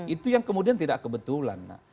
itu yang kemudian tidak kebetulan